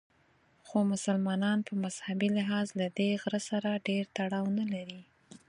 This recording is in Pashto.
خو مسلمانان په مذهبي لحاظ له دې غره سره ډېر تړاو نه لري.